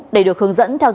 để được hướng dẫn